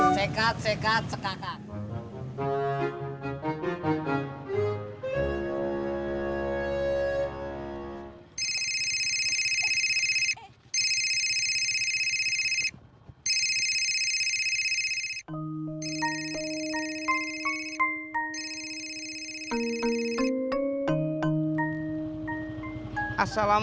cekat cekat cekakak